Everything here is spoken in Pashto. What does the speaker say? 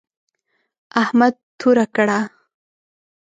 احمد توره کړه.